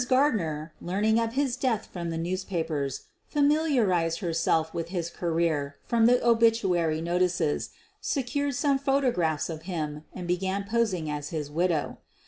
Gardner, learning of his death from the newspapers, familiarized herself with his career from the obituary notices, secured some photo , graphs of him, and began posing as his widow.